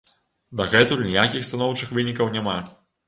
Дагэтуль ніякіх станоўчых вынікаў няма.